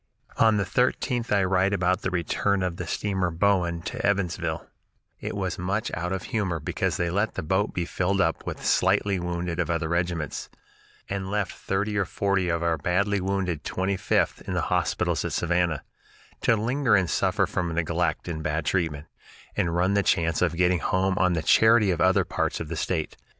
On the 13th I write about the return of the steamer Bowen to Evansville: "I was much out of humor because they let the boat be filled up with slightly wounded of other regiments, and left thirty or forty of our badly wounded Twenty fifth in the hospitals at Savannah, to linger and suffer from neglect and bad treatment, and run the chance of getting home on the charity of other parts of the State.